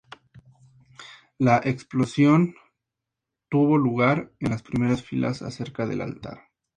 La explosión tuvo lugar en las primeras filas cerca del altar.